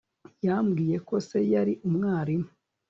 yambwiye ko se yari umwarimu